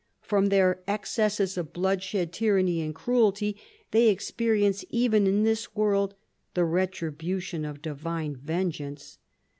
For their excesses of bloodshed, tyranny, and cruelty they experience even in this world the retribution of divine vengeance.